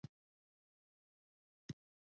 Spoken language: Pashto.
او څه وخته پورې سوات بريکوت کښې استوګن وو